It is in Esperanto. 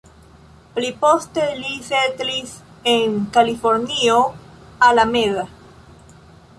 Pli poste li setlis en Kalifornio, Alameda.